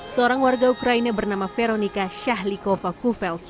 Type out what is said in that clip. seorang warga ukraina bernama veronika shahlikova kuvel